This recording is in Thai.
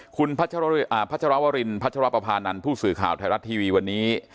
คุณพัชรวรินพัชรปภานันทร์ผู้สื่อข่าวไทยรัฐทีวีวันนี้